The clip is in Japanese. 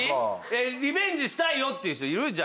えっリベンジしたいよっていう人いる？